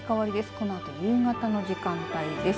このあと夕方の時間帯です。